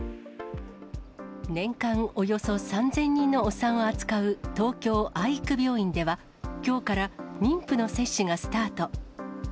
年間およそ３０００人のお産を扱う、東京・愛育病院では、きょうから妊婦の接種がスタート。